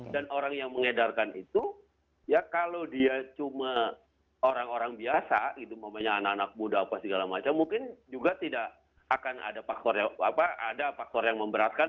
dan orang yang mengedarkan itu ya kalau dia cuma orang orang biasa gitu maksudnya anak anak muda apa segala macam mungkin juga tidak akan ada faktor yang apa ada faktor yang memberatkan